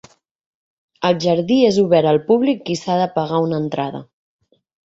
El jardí és obert al públic i s'ha de pagar una entrada.